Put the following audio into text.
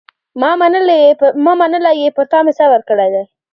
ما منلی یې پر تا مي صبر کړی